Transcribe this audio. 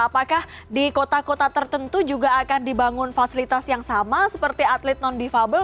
apakah di kota kota tertentu juga akan dibangun fasilitas yang sama seperti atlet non difabel